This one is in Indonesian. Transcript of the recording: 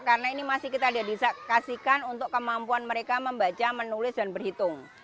karena ini masih kita dikasihkan untuk kemampuan mereka membaca menulis dan berhitung